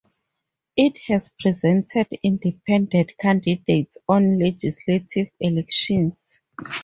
It has presented independent candidates on legislative elections.